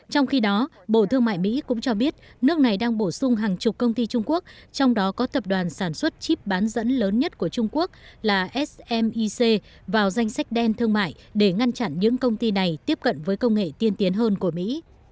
trong khi đó bộ thương mại mỹ cũng cho biết nước này đang bổ sung hàng chục công ty trung quốc trong đó có tập đoàn sản xuất chip bán dẫn lớn nhất của trung quốc là smic vào danh sách đen thương mại để ngăn chặn những công ty này tiếp cận với công nghệ tiên tiến hơn của mỹ